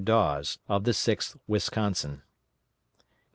Dawes, of the 6th Wisconsin.